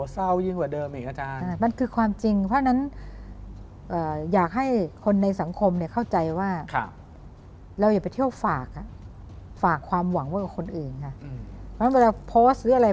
เศร้ายิ่งกว่าเดิมอีกอ่ะอาจารย์